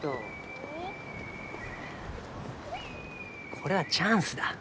これはチャンスだ